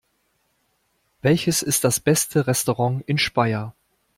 Welches ist das beste Restaurant in Speyer?